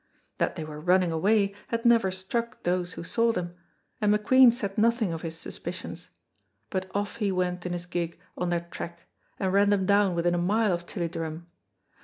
That they were running away had never struck those who saw them, and McQueen said nothing of his suspicions, but off he went in his gig on their track and ran them down within a mile of Tilliedrum.